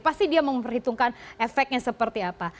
pasti dia mau menghitungkan efeknya seperti apa